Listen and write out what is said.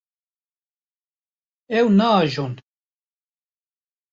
Ew naajon.